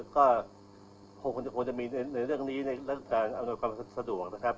ก็คงจะมีในเรื่องนี้ในเรื่องอำนวยความสะดวก